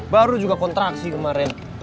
baru juga kontraksi kemarin